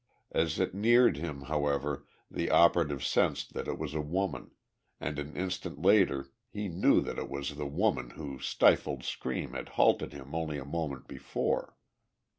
As it neared him, however, the operative sensed that it was a woman, and an instant later he knew that it was the woman whose stifled scream had halted him only a moment before.